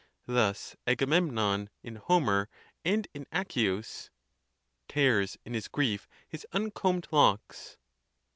Thus Agamemnon, in Homer and in Accius, Tears in his grief his uncomb'd locks